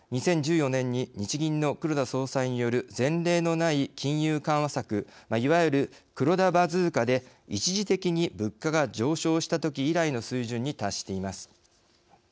２０１４年に日銀の黒田総裁による前例のない金融緩和策いわゆる黒田バズーカで一時的に物価が上昇したとき以来の水準に達しています。